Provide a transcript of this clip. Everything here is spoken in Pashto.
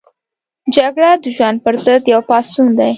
جګړه د ژوند پر ضد یو پاڅون دی